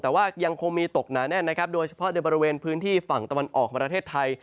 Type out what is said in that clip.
แต่ว่ายังคงมีตกหนาแน่นนะครับโดยเฉพาะในบริเวณพื้นที่ฝั่งตะวันออกของประเทศไทย